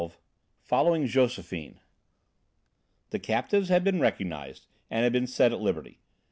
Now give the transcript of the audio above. XII FOLLOWING JOSEPHINE The captives had been recognised, and had been set at liberty.